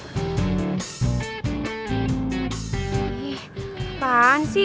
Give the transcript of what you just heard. ih apaan sih